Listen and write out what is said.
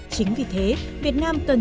chính vì thế việt nam cần